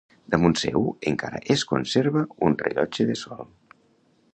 Damunt seu encara es conserva un rellotge de sol.